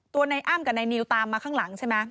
ในอ้ำกับนายนิวตามมาข้างหลังใช่ไหม